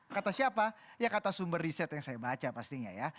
kata siapa ya kata sumber riset yang saya baca pastinya ya